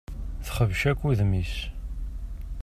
Texbec akk udem-is.